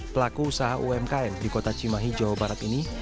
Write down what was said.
pelaku usaha umkm di kota cimahi jawa barat ini